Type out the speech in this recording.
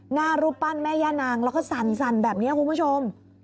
หน้ารูปปั้นแม่ย่านางแล้วก็สั่นแบบนี้คุณผู้ชม